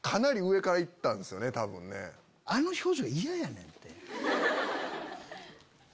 あの表情嫌やねんて。